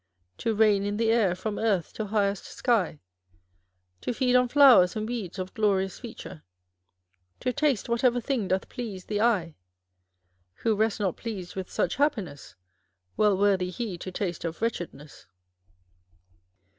To reign in the air from earth to highest sky, To feed on flowers and weeds of glorious feature, To taste whatever thing doth please the eye ? Who rests not pleased with such happiness, Well worthy he to taste of wretchedness